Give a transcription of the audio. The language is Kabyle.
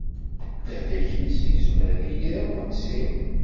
Lahlak-is izmer ad yili d akunsir.